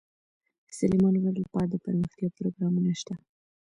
د سلیمان غر لپاره دپرمختیا پروګرامونه شته.